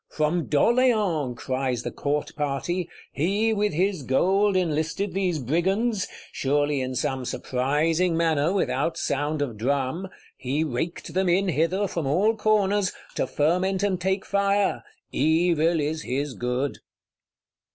From D'Orléans! cries the Court party: he, with his gold, enlisted these Brigands,—surely in some surprising manner, without sound of drum: he raked them in hither, from all corners; to ferment and take fire; evil is his good.